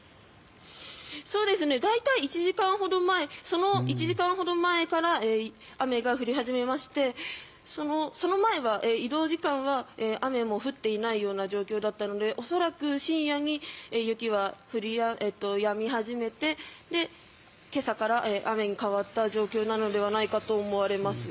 大体、１時間ほど前その１時間ほど前から雨が降り始めましてその前は、移動時間は雨も降っていないような状況だったので恐らく深夜に雪はやみ始めて今朝から雨に変わった状況なのではないかと思われます。